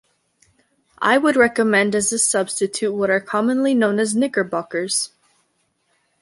I would recommend as a substitute what are commonly known as knickerbockers